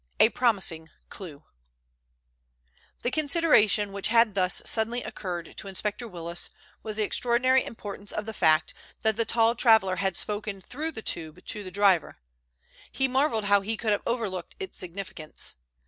A PROMISING CLUE The consideration which had thus suddenly occurred to Inspector Willis was the extraordinary importance of the fact that the tall traveller had spoken through the tube to the driver. He marveled how he could have overlooked its significance.